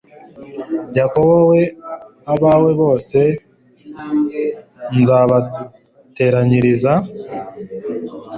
yakobo we abawe bose nzabateranyiriza